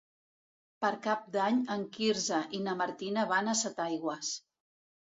Per Cap d'Any en Quirze i na Martina van a Setaigües.